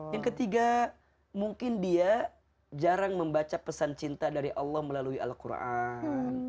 yang ketiga mungkin dia jarang membaca pesan cinta dari allah melalui al quran